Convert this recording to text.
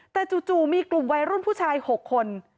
แต่จู่มีกลุ่มวัยรุ่นผู้ชาย๖คน